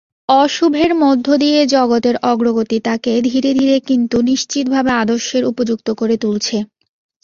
অশুভের মধ্য দিয়ে জগতের অগ্রগতি তাকে ধীরে ধীরে কিন্তু নিশ্চিতভাবে আদর্শের উপযুক্ত করে তুলছে।